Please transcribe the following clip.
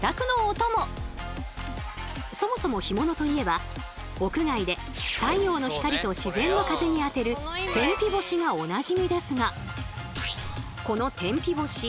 そもそも干物といえば屋外で太陽の光と自然の風に当てる天日干しがおなじみですが。